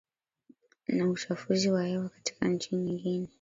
na uchafuzi wa hewa katika nchi nyingine